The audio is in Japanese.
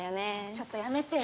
ちょっとやめてよ。